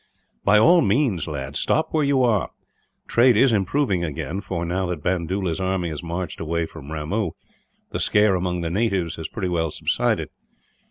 "By all means, lad, stop where you are. Trade is improving again for, now that Bandoola's army has marched away from Ramoo, the scare among the natives has pretty well subsided.